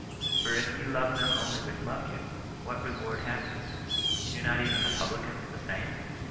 For if ye love them (only) which love you, what reward have you ? Do not even the publicans the same